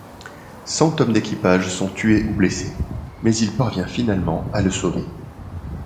Cent hommes d'équipage sont tués ou blessés, mais il parvient finalement à le sauver.